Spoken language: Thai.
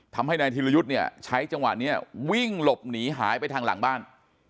ทำให้นายธิรยุทธ์เนี่ยใช้จังหวะนี้วิ่งหลบหนีหายไปทางหลังบ้าน